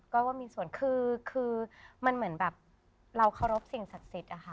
ก้อยว่ามีส่วนคือมันเหมือนแบบเราชอบสิ่งศักดิ์ศิษย์